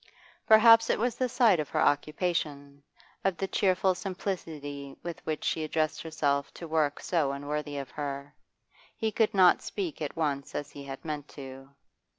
Perhaps it was the sight of her occupation, of the cheerful simplicity with which she addressed herself to work so unworthy of her; he could not speak at once as he had meant to.